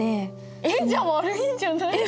えっじゃあ悪いんじゃない？